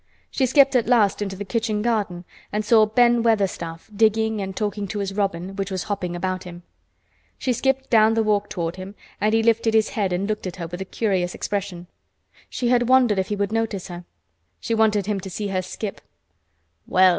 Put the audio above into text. She skipped at last into the kitchen garden and saw Ben Weatherstaff digging and talking to his robin, which was hopping about him. She skipped down the walk toward him and he lifted his head and looked at her with a curious expression. She had wondered if he would notice her. She wanted him to see her skip. "Well!"